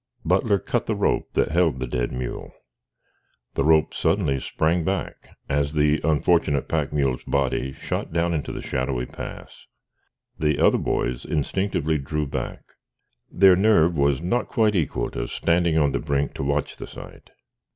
Butler cut the rope that held the dead mule. The rope suddenly sprang back as the unfortunate pack mule's body shot down into the shadowy pass. The other boys instinctively drew back. Their nerve was not quite equal to standing on the brink to watch the sight.